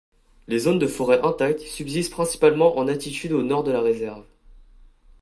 Les zones de forêt intacte subsistent principalement en altitude au nord de la réserve.